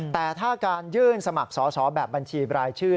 แต่ถ้าการยื่นสมัครสอบแบบบัญชีบรายชื่อ